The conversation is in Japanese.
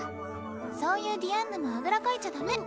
そういうディアンヌもあぐらかいちゃダメ。